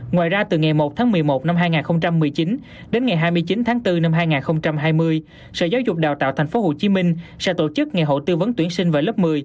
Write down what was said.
ngoài ra từ ngày một tháng một mươi một năm hai nghìn một mươi chín đến ngày hai mươi chín tháng bốn năm hai nghìn hai mươi sở giáo dục đào tạo tp hcm sẽ tổ chức ngày hội tư vấn tuyển sinh vào lớp một mươi